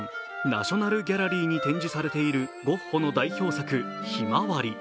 ナショナル・ギャラリーに展示されているゴッホの代表作「ひまわり」。